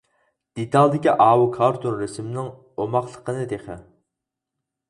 دېتالدىكى ئاۋۇ كارتون رەسىمىنىڭ ئوماقلىقىنى تېخى!